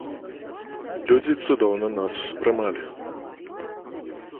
Людзі цудоўна нас успрымалі!